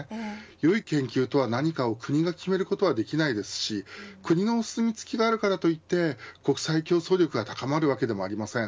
良い研究とは何かを国が決めることはできないですし国のお墨付きがあるからといって国際競争力が高まるわけでもありません。